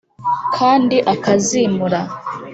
Kandi akazimura